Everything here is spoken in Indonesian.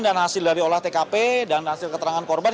dan hasil dari olah tkp dan hasil keterangan korban